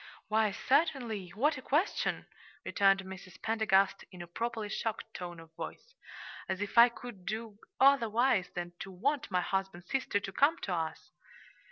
"Why, certainly; what a question!" returned Mrs. Pendergast, in a properly shocked tone of voice. "As if I could do otherwise than to want my husband's sister to come to us."